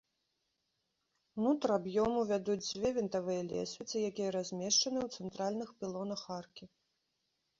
Унутр аб'ёму вядуць дзве вінтавыя лесвіцы, якія размешчаны ў цэнтральных пілонах аркі.